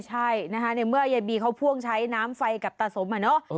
ใช่นะคะในเมื่อยายบีเขาพ่วงใช้น้ำไฟกับตาสมอะเนาะ